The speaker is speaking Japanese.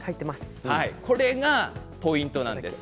これがポイントなんです。